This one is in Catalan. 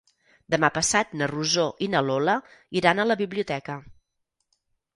Demà passat na Rosó i na Lola iran a la biblioteca.